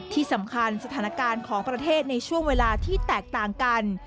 ที่สำคัญสถานการณ์ของประเทศในช่วงเวลาที่แตกต่างกัน